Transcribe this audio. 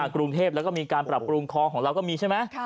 กรุงเทพแล้วก็มีการปรับปรุงคลองของเราก็มีใช่ไหม